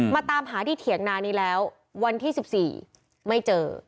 ตามหาที่เถียงนานี้แล้ววันที่๑๔ไม่เจอ